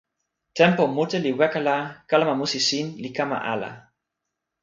tenpo mute li weka la, kalama musi sin li kama ala.